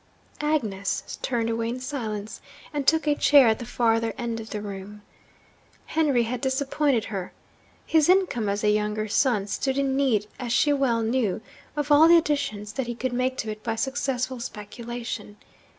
Agnes turned away in silence, and took a chair at the farther end of the room. Henry had disappointed her. His income as a younger son stood in need, as she well knew, of all the additions that he could make to it by successful speculation.